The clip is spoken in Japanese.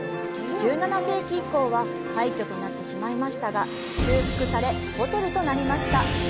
１７世紀以降は廃墟となっていましたが、修復され、ホテルとなりました。